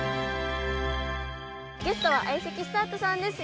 ゲストは相席スタートさんです